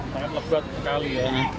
sangat lebat sekali ya